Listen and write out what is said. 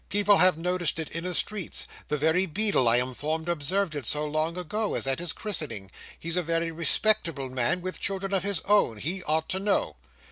People have noticed it in the streets. The very beadle, I am informed, observed it, so long ago as at his christening. He's a very respectable man, with children of his own. He ought to know."